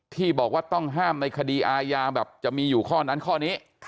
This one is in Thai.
ที่บอกว่าต้องห้ามในคดีอาญาแบบจะมีอยู่ข้อนั้นข้อนี้